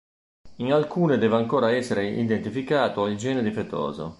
In alcune deve ancora essere identificato il gene difettoso.